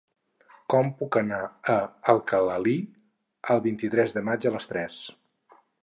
Com puc anar a Alcalalí el vint-i-tres de maig a les tres?